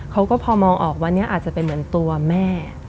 เขาก็พอมองออกวันนี้อาจจะเป็นเหมือนตัวแม่